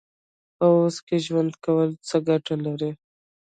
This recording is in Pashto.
په اوس کې ژوند کول څه ګټه لري؟